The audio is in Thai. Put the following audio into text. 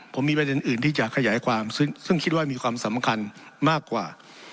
ผมมีประเด็นอื่นที่จะขยายความซึ่งคิดว่ามีความสำคัญมากกว่า